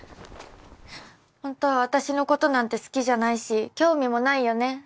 ほんとは私のことなんて好きじゃないし興味もないよね？